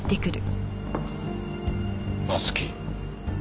松木。